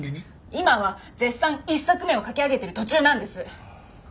今は絶賛１作目を書き上げてる途中なんです！